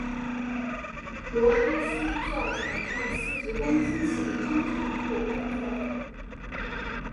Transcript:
罗哈斯在场上司职攻击型中场或边锋。